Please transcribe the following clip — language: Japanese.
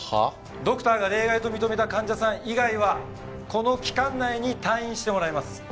ドクターが例外と認めた患者さん以外はこの期間内に退院してもらいます。